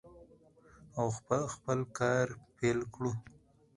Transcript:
او خپل کار پیل کړو.